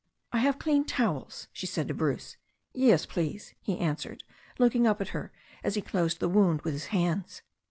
"I have clean towels," she said to Bruce. "Yes, please," he answered, looking up at her, as he closed the wound with his hands.